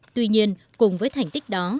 tuy nhiên cùng với thành tích đó